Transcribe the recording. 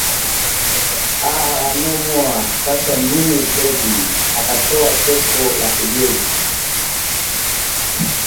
Hahaha no more Tasha Nuur baby" akatoa cheko la kejeli